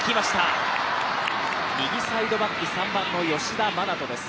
右サイドバック、３番の吉田真那斗です。